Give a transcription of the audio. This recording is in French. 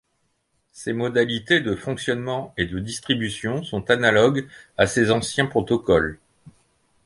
Ses modalités de fonctionnement et de distribution sont analogues à ces anciens protocoles.